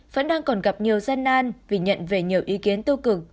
vẫn đang còn gặp nhiều gian nan vì nhận về nhiều ý kiến tiêu cực